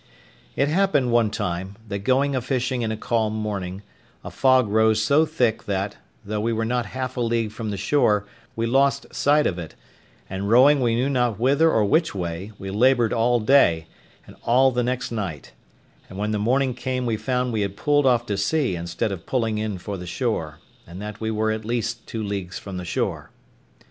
It happened one time, that going a fishing in a calm morning, a fog rose so thick that, though we were not half a league from the shore, we lost sight of it; and rowing we knew not whither or which way, we laboured all day, and all the next night; and when the morning came we found we had pulled off to sea instead of pulling in for the shore; and that we were at least two leagues from the shore.